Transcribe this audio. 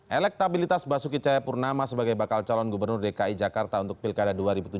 elektabilitas basuki cahayapurnama sebagai bakal calon gubernur dki jakarta untuk pilkada dua ribu tujuh belas